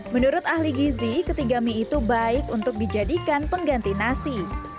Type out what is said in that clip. menurut ahli gizi ketiga mie itu baik untuk dijadikan pengganti nasi